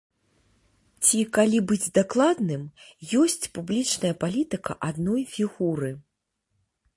Ці, калі быць дакладным, ёсць публічная палітыка адной фігуры.